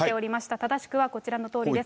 正しくはこちらのとおりです。